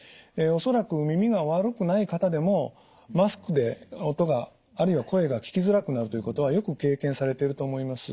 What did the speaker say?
恐らく耳が悪くない方でもマスクで音があるいは声が聞きづらくなるということはよく経験されてると思います。